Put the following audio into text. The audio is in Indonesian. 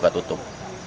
kita buka tutup